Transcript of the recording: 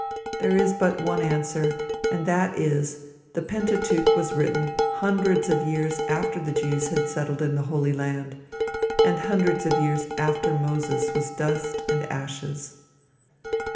There is but one answer, and that is, the Pentateuch was written hundreds of years after the Jews had settled in the Holy Land, and hundreds of years after Moses was dust and ashes.